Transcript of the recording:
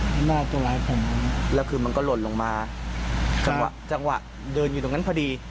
ให้แม่ทำร้ายผมแล้วคือมันก็หล่นลงมาจังหวะจังหวะเดินอยู่ตรงนั้นพอดี